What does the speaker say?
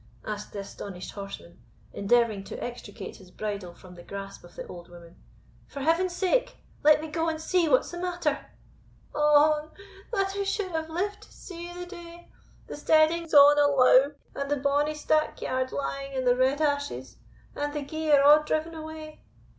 said the astonished horseman, endeavouring to extricate his bridle from the grasp of the old woman; "for Heaven's sake, let me go and see what's the matter." "Ohon! that I should have lived to see the day! The steading's a' in a low, and the bonny stack yard lying in the red ashes, and the gear a' driven away.